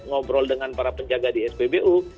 ngobrol dengan para penjaga di spbu